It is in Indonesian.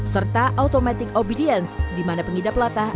serta automatic obedience di mana pengidap latah